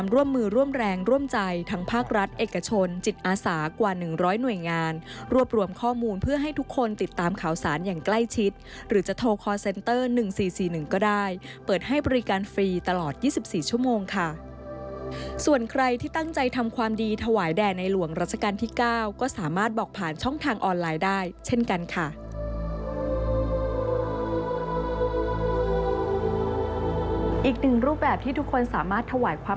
ร่วมมือร่วมแรงร่วมใจทั้งภาครัฐเอกชนจิตอาสากว่าหนึ่งร้อยหน่วยงานรวบรวมข้อมูลเพื่อให้ทุกคนติดตามข่าวสารอย่างใกล้ชิดหรือจะโทรคอร์เซ็นเตอร์๑๔๔๑ก็ได้เปิดให้บริการฟรีตลอด๒๔ชั่วโมงค่ะส่วนใครที่ตั้งใจทำความดีถวายแด่ในหลวงรัชกาลที่๙ก็สามารถบอกผ่านช่องทางออนไลน์ได้เช่นกันค่ะอีกหนึ่งรูปแบบที่ทุกคนสามารถถวายความ